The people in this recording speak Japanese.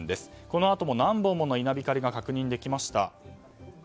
このあとも何本もの稲光が確認できました。